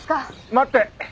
待って！